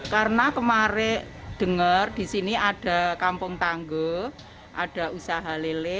karena kemarin dengar di sini ada kampung tangguh ada usaha lele